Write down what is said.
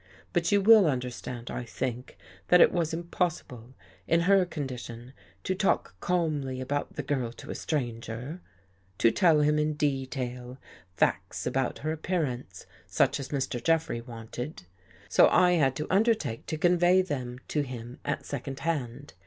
But you will under stand, I think, that it was impossible, in her con dition, to talk calmly about the girl to a stranger — to tell him in detail, facts about her appearance such as Mr. Jeffrey wanted. So I had to undertake to convey them to him at second hand.